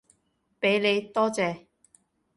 畀你，多謝